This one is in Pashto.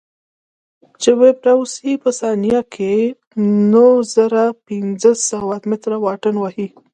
چې پټاو سي په ثانيه کښې نو زره پنځه سوه مټره واټن وهي.